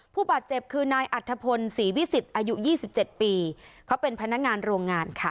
ผู้บาดเจ็บคือนายอัฐพลศรีวิสิทธิ์อายุยี่สิบเจ็ดปีเขาเป็นพนักงานโรงงานค่ะ